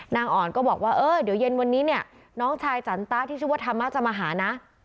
นางอ่อนก็บอกว่าเออเดี๋ยวเย็นวันนี้เนี่ยน้องชายจันตะที่ชื่อว่าธรรมะจะมาหานะ